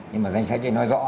nhưng mà danh sách thì nói rõ